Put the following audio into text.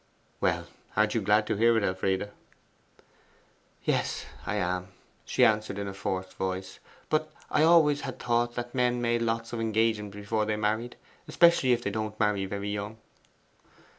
Well, aren't you glad to hear it, Elfride?' 'Yes, I am,' she answered in a forced voice. 'But I always had thought that men made lots of engagements before they married especially if they don't marry very young.